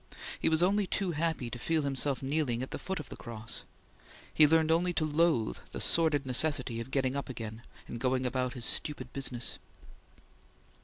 He was only too happy to feel himself kneeling at the foot of the Cross; he learned only to loathe the sordid necessity of getting up again, and going about his stupid business.